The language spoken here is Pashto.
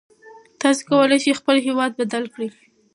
تاسو کولای شئ خپل هېواد بدل کړئ.